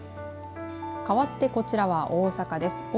かわって、こちらは大阪です。